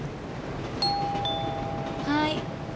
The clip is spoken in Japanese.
はい。